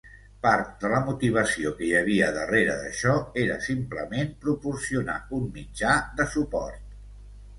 Part de la motivació que hi havia darrere d'això era simplement proporcionar un mitjà de suport.